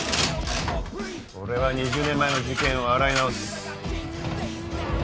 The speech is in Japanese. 俺は２０年前の事件を洗い直す。